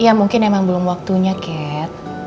ya mungkin emang belum waktunya cat